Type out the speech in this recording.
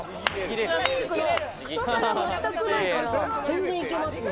羊肉の臭さがまったくないから、全然いけますね。